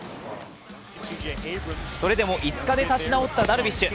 それでも５日で立ち直ったダルビッシュ。